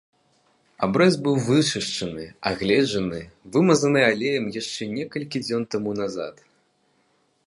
Абрэз быў вычышчаны, агледжаны, вымазаны алеем яшчэ некалькі дзён таму назад.